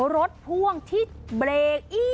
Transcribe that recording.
รถพ่วงที่เบรก